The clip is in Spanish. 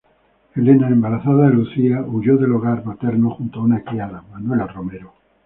Elena, embarazada de Lucía, huyó del hogar materno junto a una criada, Manuela Romero.